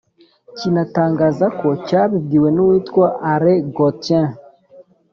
kinatangaza ko cyabibwiwe n'uwitwa alain gauthier,